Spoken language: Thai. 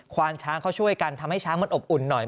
วานช้างเขาช่วยกันทำให้ช้างมันอบอุ่นหน่อย